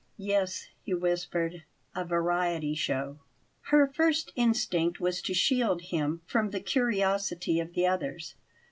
"Yes," he whispered; "a variety show." Her first instinct was to shield him from the curiosity of the others.